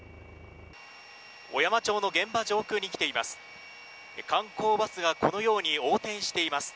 小山町の現場上空に来ています。